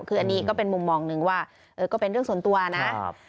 คืออันนี้ก็เป็นมุมมองหนึ่งว่าก็เป็นเรื่องส่วนตัวนะครับ